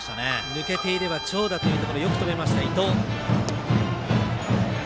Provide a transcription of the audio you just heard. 抜けていれば長打というところよく止めました、伊藤。